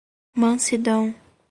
Mansidão